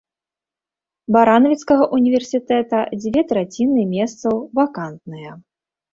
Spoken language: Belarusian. Баранавіцкага ўніверсітэта дзве траціны месцаў вакантныя.